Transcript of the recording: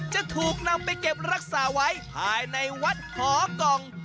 จะถูกนำไปเก็บรักษาไว้ภายในวัดหอกล่อง